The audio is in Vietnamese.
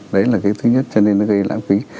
đấy là cái thứ nhất cho nên nó gây lãng phí